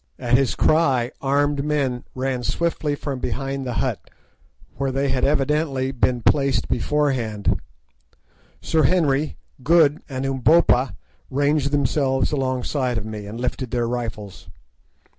At his cry armed men ran swiftly from behind the hut, where they had evidently been placed beforehand. Sir Henry, Good, and Umbopa ranged themselves alongside of me, and lifted their rifles.